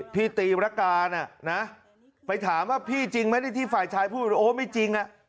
พี่ตีมรการไปถามว่าพี่จริงไหมในที่ฝ่ายชายพูดโอ้ไม่จริง